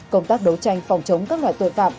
công tác đấu tranh phòng chống các loại tội phạm